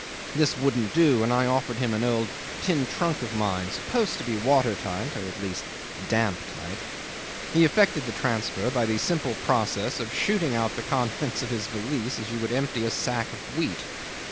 This wouldn't do, and I offered him an old tin trunk of mine supposed to be water tight, or at least damp tight. He effected the transfer by the simple process of shooting out the contents of his valise as you would empty a sack of wheat.